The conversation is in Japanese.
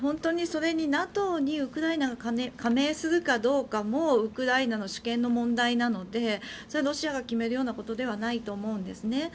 それにＮＡＴＯにウクライナが加盟するかどうかもウクライナの主権の問題なのでそれはロシアが決めるようなことではないと思うんですね。